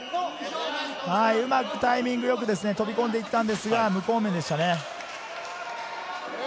うまくタイミングよく飛び込んでいったんですが、無効面でした。